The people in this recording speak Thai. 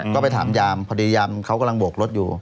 ก็ไปถามยามพอดียามเขากำลังโบกรถอยู่